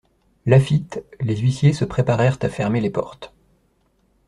Laffitte, les huissiers se préparèrent à fermer les portes.